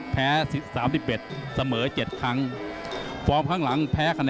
แพ้๓๑เสมอ๗ครั้ง